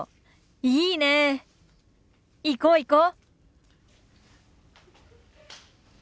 いいねえ行こう行こう。